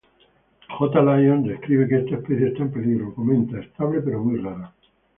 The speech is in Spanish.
J. Lyons describe que está especie está en peligro, comenta: Estable pero muy rara.